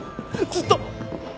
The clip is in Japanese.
ずっと。